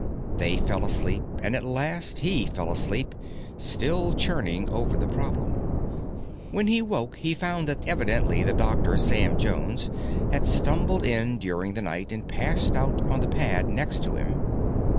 They fell asleep and at last he fell asleep still churning over the problem. When he woke he found that evidently the doctor, Sam Jones, had stumbled in during the night and passed out on the pad next to him.